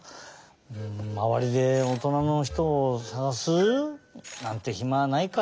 まわりでおとなのひとをさがす？なんてひまはないか。